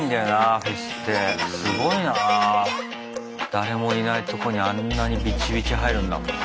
誰もいないとこにあんなにビチビチ入るんだもんな。